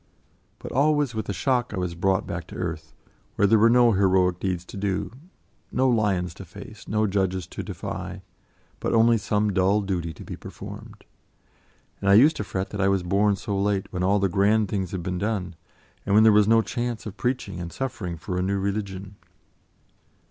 But always, with a shock, I was brought back to earth, where there were no heroic deeds to do, no lions to face, no judges to defy, but only some dull duty to be performed. And I used to fret that I was born so late, when all the grand things had been done, and when there was no chance of preaching and suffering for a new religion.